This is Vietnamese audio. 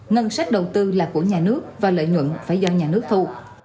ngân sách đầu tư là của nhà nước và lợi nhuận phải do nhà nước thu